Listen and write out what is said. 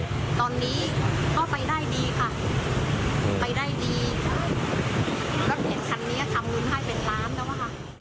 ตอนนี้ก็ไปได้ดีค่ะทำงานให้เป็นล้านบาทแล้วค่ะ